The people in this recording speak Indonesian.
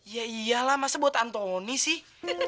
ya iyalah masa buat antoni sih